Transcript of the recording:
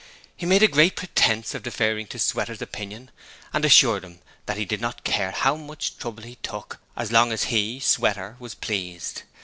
He made a great pretence of deferring to Sweater's opinion, and assured him that he did not care how much trouble he took as long as he Sweater was pleased.